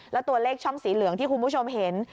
แล้วตัวเลขช่องสีเหลืองที่คุณผู้ชมเห็น